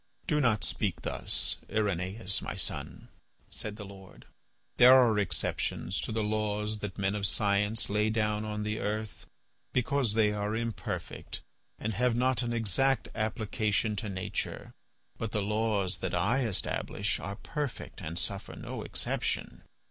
"Do not speak thus, Irenaeus my son," said the Lord. "There are exceptions to the laws that men of science lay down on the earth because they are imperfect and have not an exact application to nature. But the laws that I establish are perfect and suffer no exception.